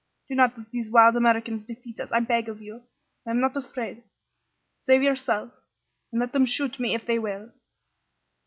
Do not let these wild Americans defeat us, I beg of you. I am not afraid. Save yourself, and let them shoot me, if they will!"